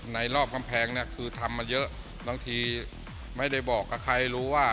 รอบกำแพงเนี่ยคือทำมาเยอะบางทีไม่ได้บอกกับใครรู้ว่า